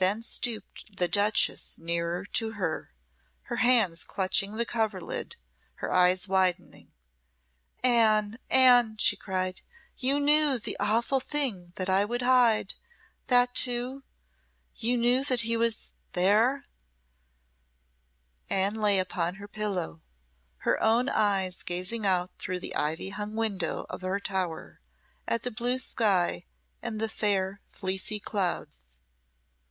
Then stooped the duchess nearer to her, her hands clutching the coverlid, her eyes widening. "Anne, Anne," she cried, "you knew the awful thing that I would hide! That too? You knew that he was there!" Anne lay upon her pillow, her own eyes gazing out through the ivy hung window of her tower at the blue sky and the fair, fleecy clouds.